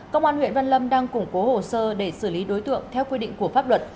công an huyện văn lâm đang củng cố hồ sơ để xử lý đối tượng theo quy định của pháp luật